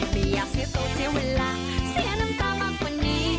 ไม่อยากเสียตัวเสียเวลาเสียน้ำตามากกว่านี้